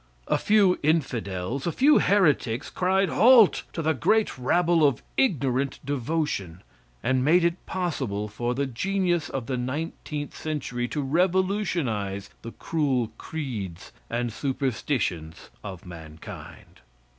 A few infidels a few heretics cried, "Halt!" to the great rabble of ignorant devotion, and made it possible for the genius of the nineteenth century to revolutionize the cruel creeds and superstitions of mankind.